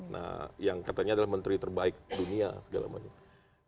nah yang katanya adalah menteri terbaik dunia segala macam